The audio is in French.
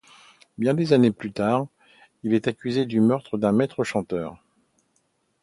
Bien des années plus tard, elle est accusée du meurtre d’un maître chanteur.